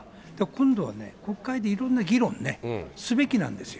今度は国会でいろんな議論すべきなんですよ。